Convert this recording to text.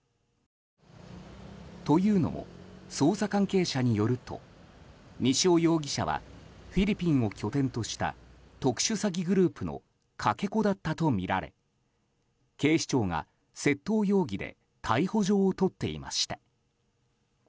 というのも、捜査関係者によると西尾容疑者はフィリピンを拠点とした特殊詐欺グループのかけ子だったとみられ警視庁が窃盗容疑で逮捕状を取っていました。